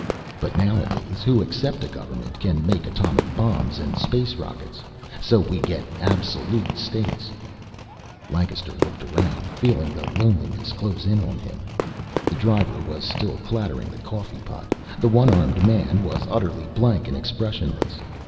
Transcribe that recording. But nowadays, who except a government can make atomic bombs and space rockets? So we get absolute states." Lancaster looked around, feeling the loneliness close in on him. The driver was still clattering the coffee pot. The one armed man was utterly blank and expressionless.